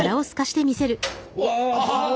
うわ！